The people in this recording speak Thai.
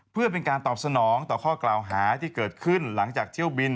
เพื่อเป็นการตอบสนองต่อข้อกล่าวหาที่เกิดขึ้นหลังจากเที่ยวบิน